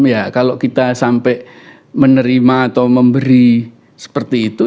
ya kalau kita sampai menerima atau memberi seperti itu